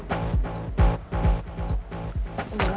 aduh aku mau pulang